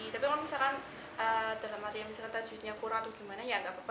tapi kalau misalkan dalam harian misalkan tajwidnya kurang atau gimana ya gak apa apa